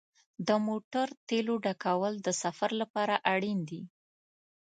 د موټر تیلو ډکول د سفر لپاره اړین دي.